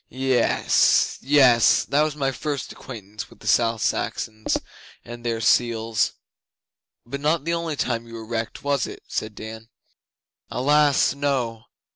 Yes yess! That was my first acquaintance with the South Saxons and their seals.' 'But not the only time you were wrecked, was it?' said Dan. 'Alas, no!